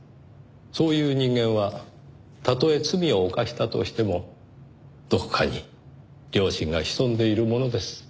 そういう人間はたとえ罪を犯したとしてもどこかに良心が潜んでいるものです。